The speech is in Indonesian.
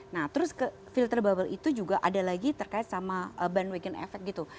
nah terus filter bubble itu juga ada lagi terkait sama bandwagon effect gitu